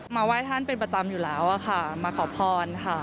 ไหว้ท่านเป็นประจำอยู่แล้วค่ะมาขอพรค่ะ